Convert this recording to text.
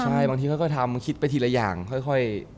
ใช่บางทีเขาก็ทำคิดไปทีละอย่างค่อย